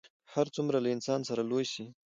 که هر څومره له انسانه سره لوی سي